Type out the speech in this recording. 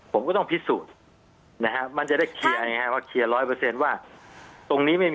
ผมก็ต้องพิสูจน์นะฮะมันจะได้เคลียร์ไงฮะ